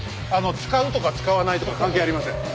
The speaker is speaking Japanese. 使うとか使わないとか関係ありません。